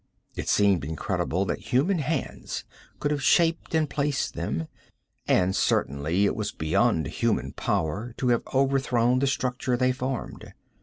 It seemed incredible that human hands could have shaped and placed them, and certainly it was beyond human power to have overthrown the structure they formed.